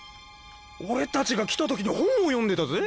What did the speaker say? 俺たちが来た時に本を読んでたぜ。